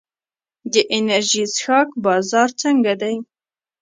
د انرژي څښاک بازار څنګه دی؟